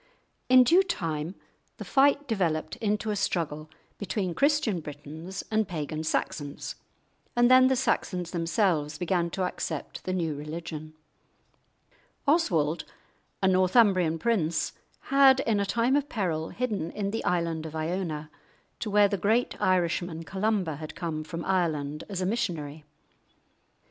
In due time the fight developed into a struggle between Christian Britons and pagan Saxons, and then the Saxons themselves began to accept the new religion. Oswald, a Northumbrian prince, had in a time of peril hidden in the island of Iona, to where the great Irishman Columba had come from Ireland as a missionary.